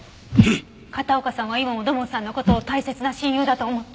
片岡さんは今も土門さんの事を大切な親友だと思ってる。